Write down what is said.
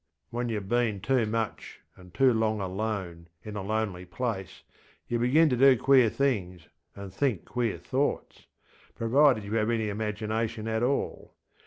When youŌĆÖve been too much and too long alone in a lonely place, you begin to do queer things and think queer thoughtsŌĆöprovided you have any imagination at all.